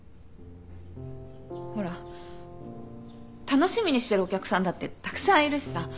ほら楽しみにしてるお客さんだってたくさんいるしさ。